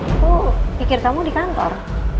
aku pikir kamu di kantor